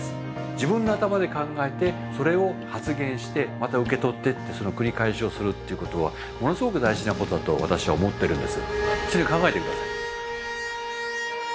自分の頭で考えてそれを発言してまた受け取ってってその繰り返しをするっていうことはものすごく大事なことだと私は思ってるんです。